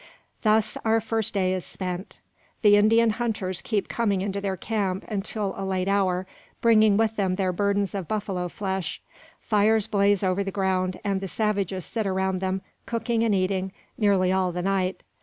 Thus our first day is spent. The Indian hunters keep coming into their camp until a late hour, bringing with them their burdens of buffalo flesh. Fires blaze over the ground, and the savages sit around them, cooking and eating, nearly all the night.